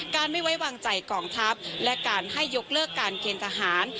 ไม่ไว้วางใจกองทัพและการให้ยกเลิกการเกณฑ์ทหาร